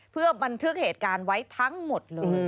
เพื่อบันทึกเหตุการณ์ไว้ทั้งหมดเลย